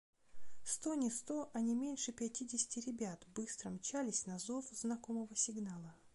Сто не сто, а не меньше пятидесяти ребят быстро мчались на зов знакомого сигнала.